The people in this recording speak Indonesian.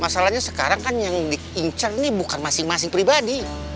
masalahnya sekarang kan yang diincar ini bukan masing masing pribadi